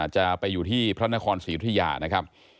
จะไปอยู่ที่พระนครศรีอุทยานะครับ